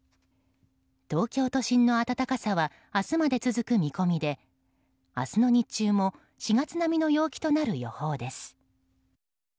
東京都心の暖かさは明日まで続く見込みで明日の日中も４月並みの陽気となる予報です。